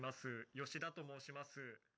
吉田と申します